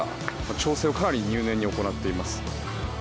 調整をかなり入念に行っています。